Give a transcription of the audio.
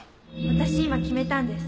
私今決めたんです。